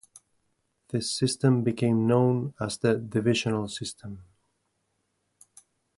This system became known as the divisional system.